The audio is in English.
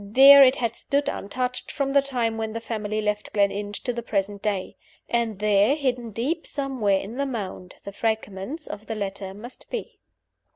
There it had stood, untouched, from the time when the family left Gleninch to the present day. And there, hidden deep somewhere in the mound, the fragments of the letter must be.